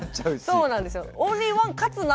そうなんですよ。